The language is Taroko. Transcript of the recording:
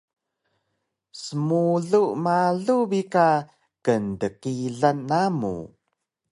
Smulu malu bi ka kndkilan namu